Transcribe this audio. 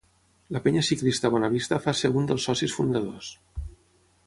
La Penya Ciclista Bonavista fa ser un dels socis fundadors.